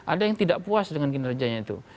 ada yang tidak puas dengan kinerjanya itu